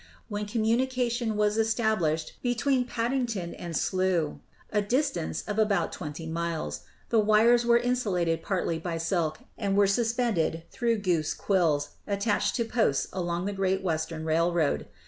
When communication was established be tween Paddington and Slough, a distance of about twenty miles, the wires were insulated partly by silk and were suspended through goose quills attached to posts along the Great Western Railway.